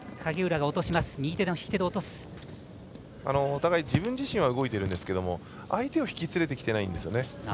お互い自分自身は動いているんですけど相手を引き連れてきてないんですよね。